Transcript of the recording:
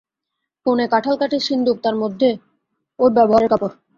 কোণে কাঁঠাল-কাঠের সিন্দুক, তার মধ্যে ওর ব্যবহারের কাপড়।